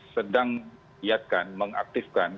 sedang iatkan mengaktifkan